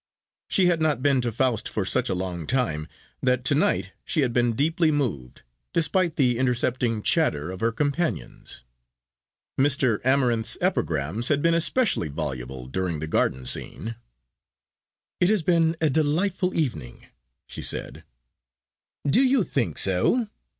She had not been to "Faust" for such a long time, that to night she had been deeply moved, despite the intercepting chatter of her companions. Mr. Amarinth's epigrams had been especially voluble during the garden scene. "It has been a delightful evening," she said. "Do you think so?